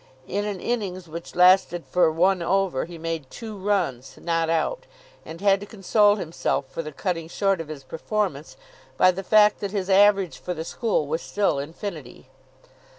In an innings which lasted for one over he made two runs, not out; and had to console himself for the cutting short of his performance by the fact that his average for the school was still infinity.